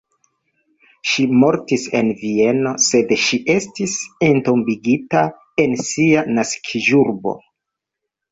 Ŝi mortis en Vieno, sed ŝi estis entombigita en sia naskiĝurbo.